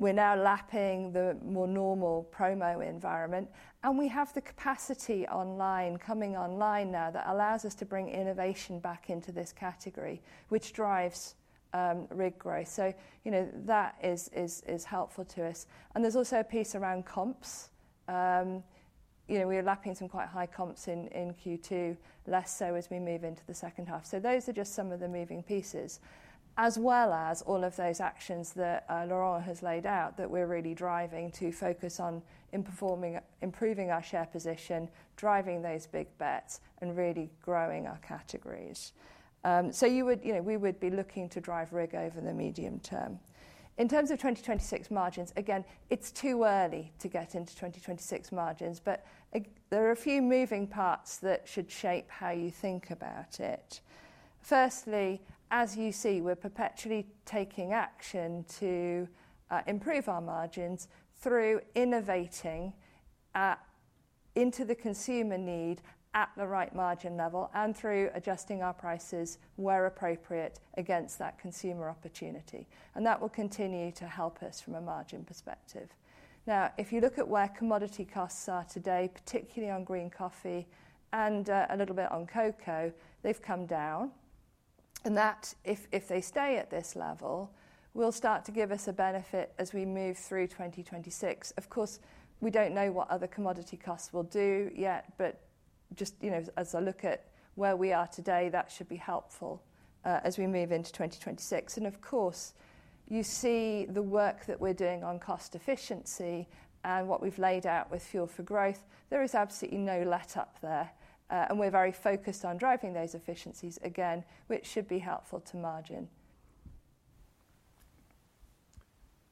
We are now lapping the more normal promo environment, and we have the capacity coming online now that allows us to bring innovation back into this category, which drives RIG growth. That is helpful to us. There is also a piece around comps. We are lapping some quite high comps in Q2, less so as we move into the second half. Those are just some of the moving pieces, as well as all of those actions that Laurent has laid out that we're really driving to focus on improving our share position, driving those big bets, and really growing our categories. We would be looking to drive RIG over the medium term. In terms of 2026 margins, again, it's too early to get into 2026 margins, but there are a few moving parts that should shape how you think about it. Firstly, as you see, we're perpetually taking action to improve our margins through innovating into the consumer need at the right margin level and through adjusting our prices where appropriate against that consumer opportunity. That will continue to help us from a margin perspective. Now, if you look at where commodity costs are today, particularly on green coffee and a little bit on cocoa, they've come down. That, if they stay at this level, will start to give us a benefit as we move through 2026. Of course, we do not know what other commodity costs will do yet, but just as I look at where we are today, that should be helpful as we move into 2026. You see the work that we are doing on cost efficiency and what we have laid out with fuel for growth. There is absolutely no letup there, and we are very focused on driving those efficiencies again, which should be helpful to margin.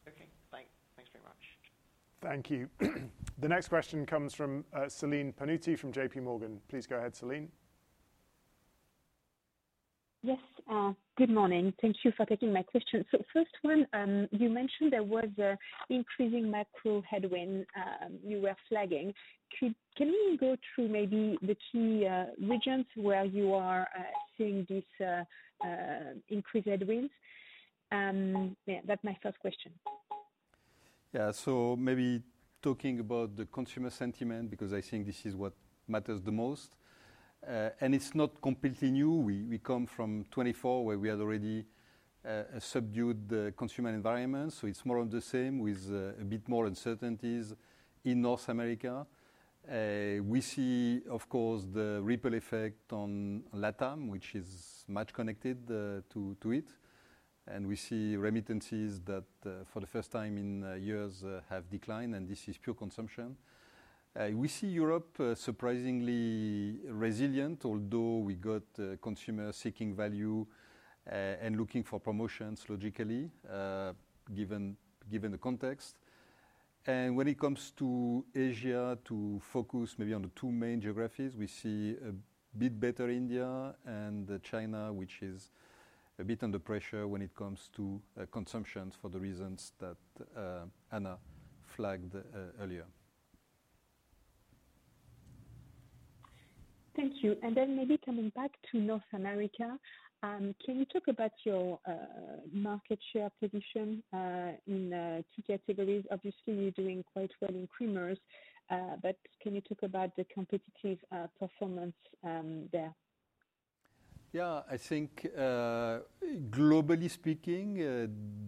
Okay. Thanks. Thanks very much. Thank you. The next question comes from Celine Panutti from JPMorgan. Please go ahead, Celine. Yes. Good morning. Thank you for taking my question. First one, you mentioned there was an increasing macro headwind you were flagging. Can you go through maybe the key regions where you are seeing these increased headwinds? That's my first question. Yeah. Maybe talking about the consumer sentiment, because I think this is what matters the most. It's not completely new. We come from 2024, where we had already a subdued consumer environment. It's more of the same with a bit more uncertainties in North America. We see, of course, the ripple effect on LatAm, which is much connected to it. We see remittances that for the first time in years have declined, and this is pure consumption. We see Europe surprisingly resilient, although we got consumers seeking value and looking for promotions logically, given the context. When it comes to Asia, to focus maybe on the two main geographies, we see a bit better India and China, which is a bit under pressure when it comes to consumption for the reasons that Anna flagged earlier. Thank you. Maybe coming back to North America, can you talk about your market share position in two categories? Obviously, you're doing quite well in creamers, but can you talk about the competitive performance there? Yeah. I think globally speaking,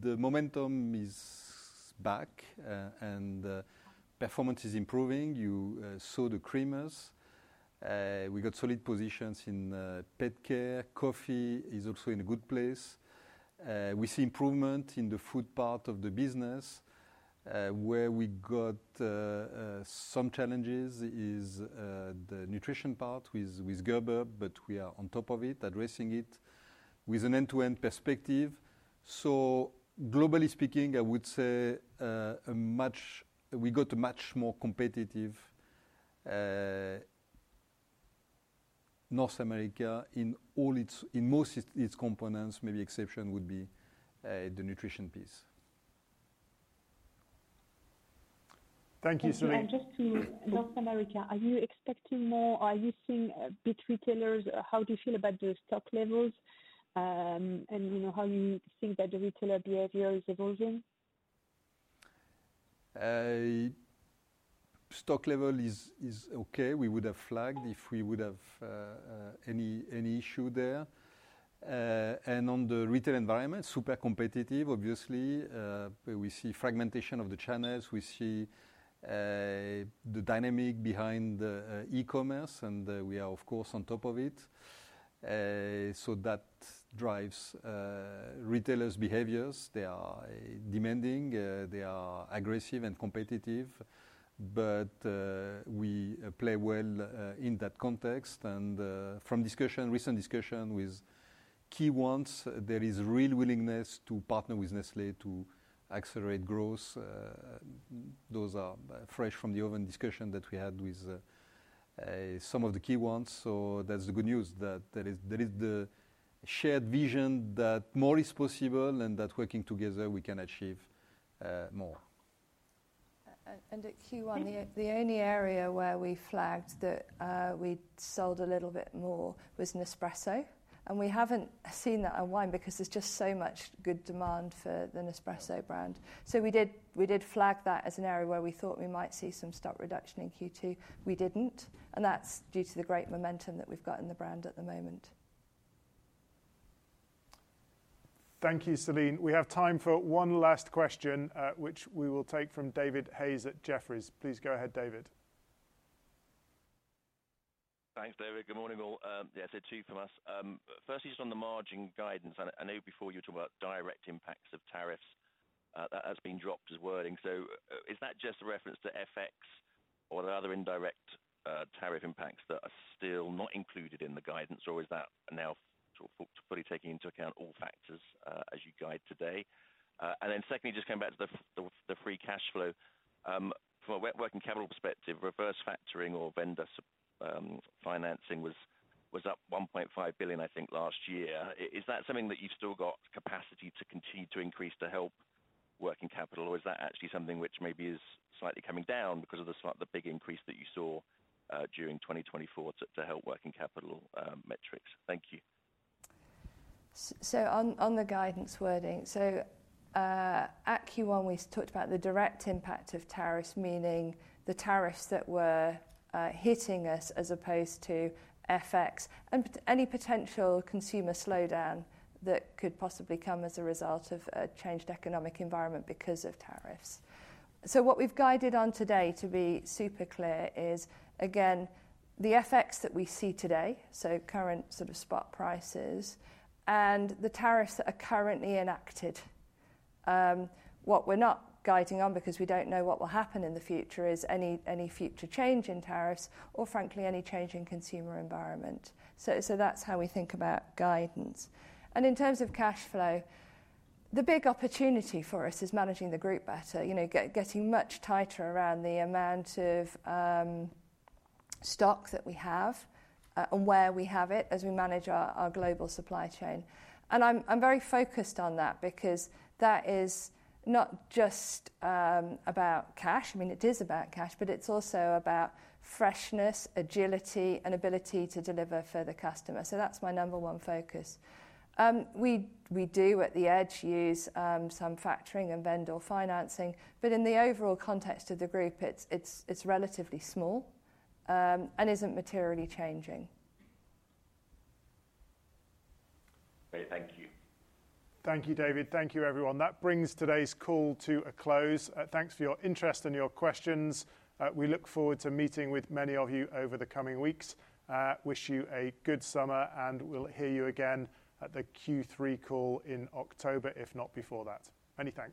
the momentum is back, and performance is improving. You saw the creamers. We got solid positions in pet care. Coffee is also in a good place. We see improvement in the food part of the business. Where we got some challenges is the nutrition part with Gerber, but we are on top of it, addressing it with an end-to-end perspective. Globally speaking, I would say we got a much more competitive North America in most of its components. Maybe the exception would be the nutrition piece. Thank you, Celine. Just to North America, are you expecting more? Are you seeing big retailers? How do you feel about the stock levels and how you think that the retailer behavior is evolving? Stock level is okay. We would have flagged if we would have any issue there. On the retail environment, super competitive, obviously. We see fragmentation of the channels. We see the dynamic behind e-commerce, and we are, of course, on top of it. That drives retailers' behaviors. They are demanding. They are aggressive and competitive. We play well in that context. From recent discussion with key ones, there is real willingness to partner with Nestlé to accelerate growth. Those are fresh from the oven discussion that we had with some of the key ones. That is the good news. There is the shared vision that more is possible and that working together, we can achieve more. The key one, the only area where we flagged that we sold a little bit more was Nespresso. We have not seen that on wine because there is just so much good demand for the Nespresso brand. We did flag that as an area where we thought we might see some stock reduction in Q2. We did not. That is due to the great momentum that we have got in the brand at the moment. Thank you, Celine. We have time for one last question, which we will take from David Hayes at Jefferies. Please go ahead, David. Thanks, David. Good morning, all. Yes, it is Hugh from us. Firstly, just on the margin guidance, I know before you were talking about direct impacts of tariffs, that has been dropped as wording. Is that just a reference to FX or the other indirect tariff impacts that are still not included in the guidance, or is that now fully taking into account all factors as you guide today? Secondly, just coming back to the free cash flow, from a working capital perspective, reverse factoring or vendor financing was up 1.5 billion, I think, last year. Is that something that you've still got capacity to continue to increase to help working capital, or is that actually something which maybe is slightly coming down because of the big increase that you saw during 2024 to help working capital metrics? Thank you. On the guidance wording, at Q1, we talked about the direct impact of tariffs, meaning the tariffs that were hitting us as opposed to FX and any potential consumer slowdown that could possibly come as a result of a changed economic environment because of tariffs. What we've guided on today, to be super clear, is, again, the FX that we see today, so current sort of spot prices, and the tariffs that are currently enacted. What we're not guiding on, because we don't know what will happen in the future, is any future change in tariffs or, frankly, any change in consumer environment. That's how we think about guidance. In terms of cash flow, the big opportunity for us is managing the group better, getting much tighter around the amount of stock that we have and where we have it as we manage our global supply chain. I am very focused on that because that is not just about cash. I mean, it is about cash, but it is also about freshness, agility, and ability to deliver for the customer. That is my number one focus. We do, at the edge, use some factoring and vendor financing, but in the overall context of the group, it is relatively small and is not materially changing. Thank you. Thank you, David. Thank you, everyone. That brings today's call to a close. Thanks for your interest and your questions. We look forward to meeting with many of you over the coming weeks. Wish you a good summer, and we'll hear you again at the Q3 call in October, if not before that. Anything.